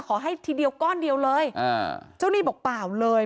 ทีเดียวก้อนเดียวเลยอ่าเจ้าหนี้บอกเปล่าเลย